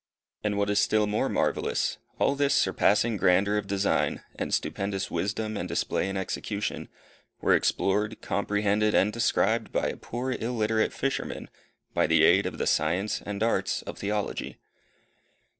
And what is still more marvellous, all this surpassing grandeur of design, and stupendous wisdom and display in execution, were explored, comprehended, and described by a poor, illiterate fisherman, by the aid of the science and arts of Theology.